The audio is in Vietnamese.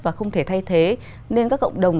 và không thể thay thế nên các cộng đồng